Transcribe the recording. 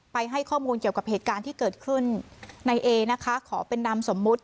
ให้ข้อมูลเกี่ยวกับเหตุการณ์ที่เกิดขึ้นในเอนะคะขอเป็นนามสมมุติ